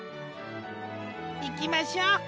いきましょう。